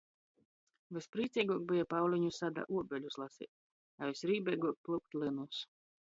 Vysprīceiguok beja Pauliņu sadā uobeļus laseit, a vysrībeiguok plyukt lynus.